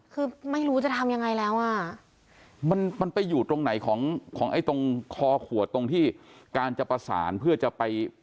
คือไม่รู้จะทำยังไงแล้วอ่ะมันมันไปอยู่ตรงไหนของของไอ้ตรงคอขวดตรงที่การจะประสานเพื่อจะไป